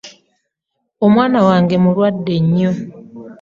Omwana wange mulwadde nnyo.